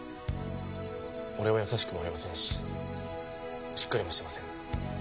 俺は優しくもありませんししっかりもしてません。